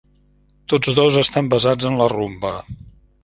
Tots dos estan basats en la rumba.